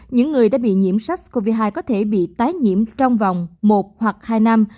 những người đã bị nhiễm sars cov hai có thể bị tái nhiễm trong vòng một hoặc hai năm